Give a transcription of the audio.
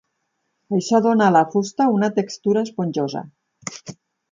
Això dona a la fusta una textura esponjosa.